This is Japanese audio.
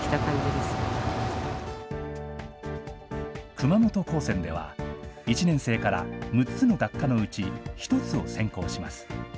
熊本高専では、１年生から６つの学科のうち１つを専攻します。